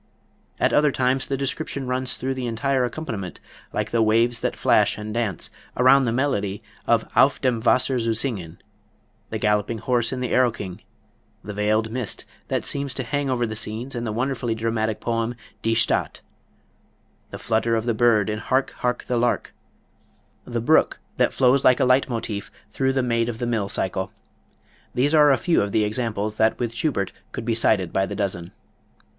At other times the description runs through the entire accompaniment, like the waves that flash and dance around the melody of "Auf dem Wasser zu Singen"; the galloping horse in the "Erlking"; the veiled mist that seems to hang over the scenes in the wonderfully dramatic poem, "Die Stadt"; the flutter of the bird in "Hark, Hark, the Lark"; the brook that flows like a leitmotif through the "Maid of the Mill" cycle these are a few of the examples that with Schubert could be cited by the dozen.